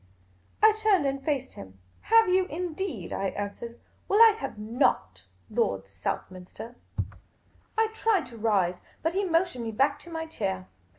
I turned and faced him. " Have you, indeed?" I an swered. " Well, I have not, Lord Southminstcr." 228 Miss Cayley's Adventures I tried to rise, but he motioned me back to my chair.